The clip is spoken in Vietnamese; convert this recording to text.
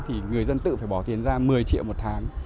thì người dân tự phải bỏ tiền ra một mươi triệu một tháng